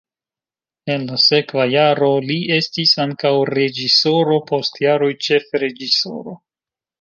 En la sekva jaro li estis ankaŭ reĝisoro, post jaroj ĉefreĝisoro.